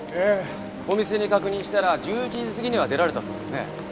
お店に確認したら１１時過ぎには出られたそうですね。